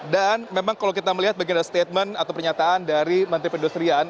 dan memang kalau kita melihat bagian dari statement atau pernyataan dari menteri pendustrian